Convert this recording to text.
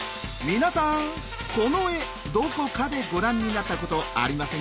皆さんこの絵どこかでご覧になったことありませんか？